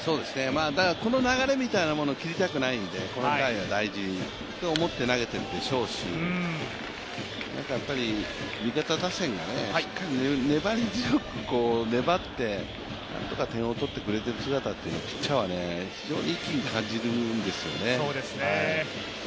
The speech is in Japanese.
この流れみたいなものを切りたくないので、この回は大事と思って投げているでしょうし、あと味方打線がしっかり粘り強く粘って、何とか点を取ってくれてる姿をいうのはピッチャーは非常にいきに感じるんですよね。